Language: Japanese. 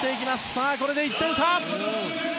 さあ、これで１点差！